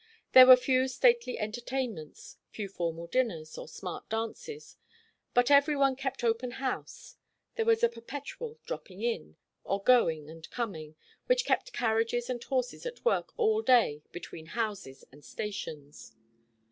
There were few stately entertainments, few formal dinners, or smart dances; but every one kept open house; there was a perpetual dropping in, or going and coming, which kept carriages and horses at work all day between houses and stations.